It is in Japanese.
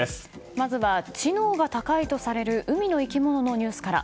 まず知能が高いとされる海の生き物のニュースから。